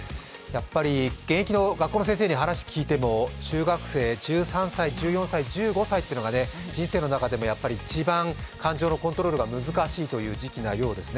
現役の学校の先生に話を聞いても中学生、１３歳、１４歳、１５歳というのが人生の中でも一番感情のコントロールが難しい時期なようですね。